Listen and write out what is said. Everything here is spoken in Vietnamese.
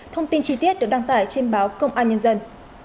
thông tin chi tiết được đăng tải trên báo công an nhân dân